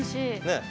ねえ。